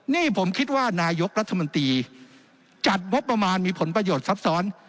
นี่ผมคิดว่านายกรัฐมนตรีจัดงบประมาณมีผลประโยชน์ซับซ้อน